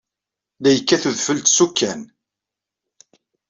La yekkat udfel d tukkan.